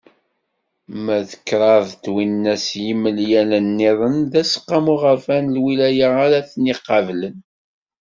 Ma d kraḍ twinas yimelyan-nniḍen d Aseqqamu Aɣerfan n Lwilaya ara ten-iqablen.